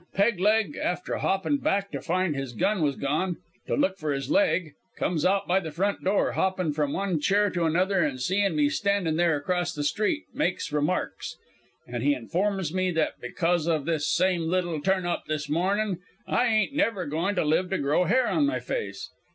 "Peg leg, after hoppin' back to find that his gun was gone, to look for his leg, comes out by the front door, hoppin' from one chair to another, an' seein' me standin' there across the street makes remarks; an' he informs me that because of this same little turn up this mornin' I ain't never goin' to live to grow hair on my face.